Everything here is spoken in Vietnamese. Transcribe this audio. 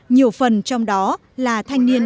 nhiều phần trong đó là thanh niên